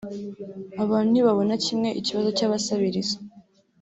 Abantu ntibabona kimwe ikibazo cy’abasabiriza